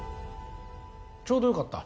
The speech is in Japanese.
ちょうどよかった。